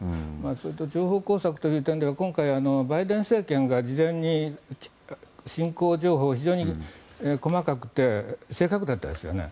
そういった情報工作の点は今回、バイデン政権が事前に侵攻情報が非常に細かくて正確でしたよね。